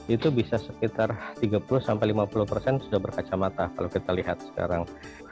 itu bisa sekitar tiga puluh lima puluh sudah berkacamata kalau kita lihat sekarang